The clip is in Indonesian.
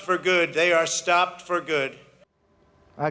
mereka telah ditinggalkan dengan baik